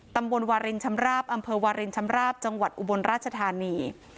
ตำบลวารินชำราบอำเภอวารินชำราบจังหวัดอุบลราชธานี